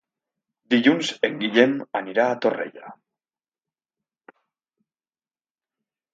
Dilluns en Guillem anirà a Torrella.